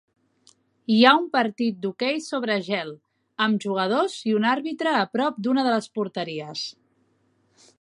Hi ha un partir de hoquei sobre gel, amb jugadors i un arbitre a prop d'una de les porteries.